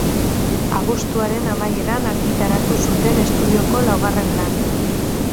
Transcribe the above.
Abuztuaren amaieran argitaratu zuten estudioko laugarren lana.